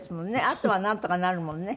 あとはなんとかなるもんね。